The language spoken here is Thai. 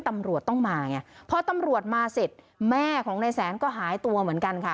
ตำรวจต้องมาไงพอตำรวจมาเสร็จแม่ของนายแสนก็หายตัวเหมือนกันค่ะ